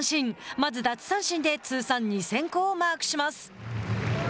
まず奪三振で通算２０００個をマークします。